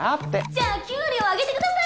じゃあ給料上げてください。